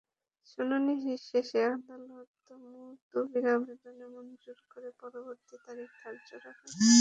শুনানি শেষে আদালত মুলতবির আবেদন মঞ্জুর করে পরবর্তী তারিখ ধার্য করেন।